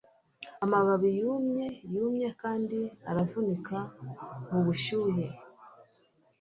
amababi yumye yumye kandi aravunika mubushuhe